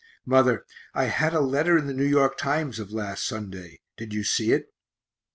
Mother, I had a letter in the N. Y. Times of last Sunday did you see it?